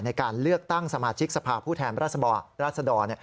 ในการเลือกตั้งสมาชิกสภาพผู้แทนราศบอร์ราศดอร์